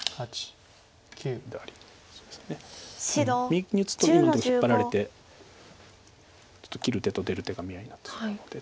右に打つと今のとこ引っ張られてちょっと切る手と出る手が見合いになってしまうので。